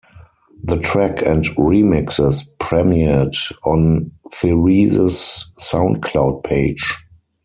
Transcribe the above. The track and remixes premiered on Therese's SoundCloud page.